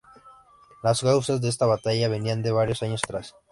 Las causas de esta batalla venían de varios años atrás.